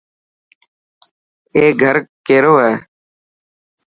اي گھر ڪيرو هي.